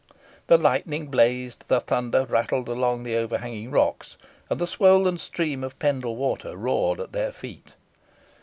The lightning blazed, the thunder rattled among the overhanging rocks, and the swollen stream of Pendle Water roared at their feet.